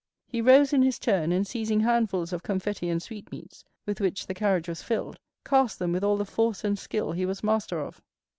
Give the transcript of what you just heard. He rose in his turn, and seizing handfuls of confetti and sweetmeats, with which the carriage was filled, cast them with all the force and skill he was master of.